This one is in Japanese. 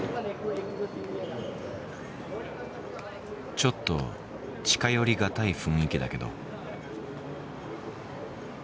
ちょっと近寄り難い雰囲気だけど。